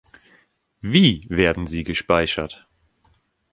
Wie werden sie gespeichert?